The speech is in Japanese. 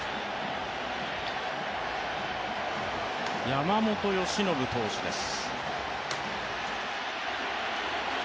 山本由伸投手です。